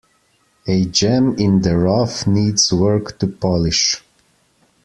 A gem in the rough needs work to polish.